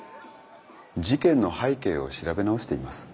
事件の背景を調べ直しています。